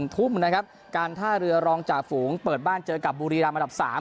ทุ่มนะครับการท่าเรือรองจ่าฝูงเปิดบ้านเจอกับบุรีรำอันดับ๓